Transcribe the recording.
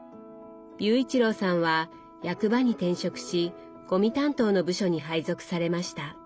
雄一郎さんは役場に転職しゴミ担当の部署に配属されました。